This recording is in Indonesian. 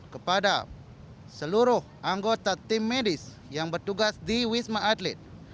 kepada seluruh anggota tim medis yang bertugas di wisma atlet